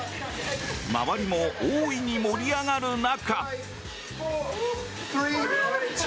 周りも大いに盛り上がる中。